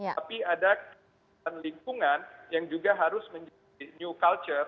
tapi ada kekuatan lingkungan yang juga harus menjadi new culture